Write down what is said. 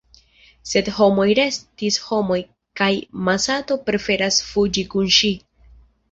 Sed “homoj restis homoj kaj Masato preferas fuĝi kun ŝi.